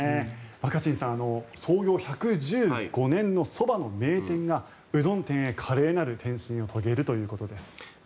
若新さん創業１１５年のそばの名店がうどん店へ華麗なる転身を遂げるということです。